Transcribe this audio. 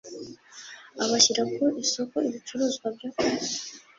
abashyira ku isoko ibicuruzwa byo ku